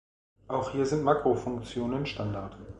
Auch hier sind Makro-Funktionen Standard.